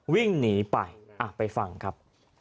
วิ่งหนีไปไปฟังครับ